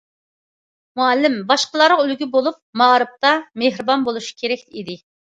مۇئەللىم باشقىلارغا ئۈلگە بولۇپ، مائارىپتا مېھرىبان بولۇشى كېرەك ئىدى.